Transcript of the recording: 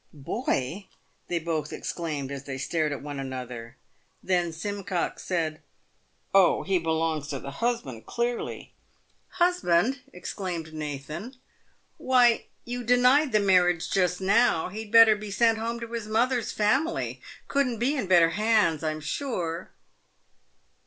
" Boy!" they both exclaimed, as they stared at one another. Then Simcox said :" Oh, he belongs to the husband, clearly !" "Husband!" exclaimed Nathan. "Why, you denied the mar riage just now. He'd better be sent home to his mother's family. Couldn't be in better hands, I'm sure."